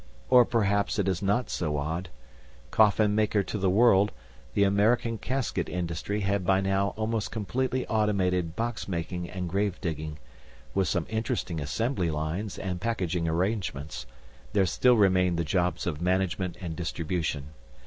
Or perhaps it is not so odd. Coffin maker to the world, the American casket industry had by now almost completely automated box making and gravedigging, with some interesting assembly lines and packaging arrangements; there still remained the jobs of management and distribution.